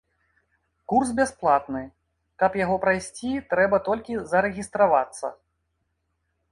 Курс бясплатны, каб яго прайсці, трэба толькі зарэгістравацца.